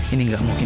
ini enggak mungkin